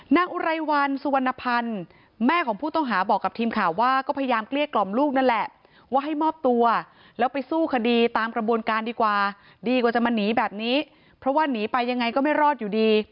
อุไรวันสุวรรณภัณฑ์แม่ของผู้ต้องหาบอกกับทีมข่าวว่าก็พยายามเกลี้ยกล่อมลูกนั่นแหละว่าให้มอบตัวแล้วไปสู้คดีตามกระบวนการดีกว่าดีกว่าจะมาหนีแบบนี้เพราะว่าหนีไปยังไงก็ไม่รอดอยู่ดี